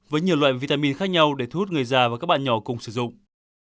với nhiều loại vitamin khác nhau để thu hút người già và các bạn nhỏ cùng sử dụng